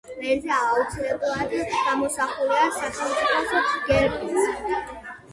ლენტზე აუცილებლად გამოსახულია სახელმწიფო გერბიც.